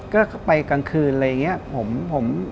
ก็ไปกลางคืนอะไรอย่างนี้